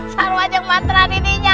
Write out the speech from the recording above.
saru aja mantra didinya